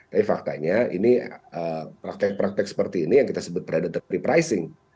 tapi faktanya ini praktek praktek seperti ini yang kita sebut predatory pricing